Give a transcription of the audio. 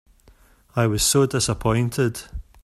I was so dissapointed.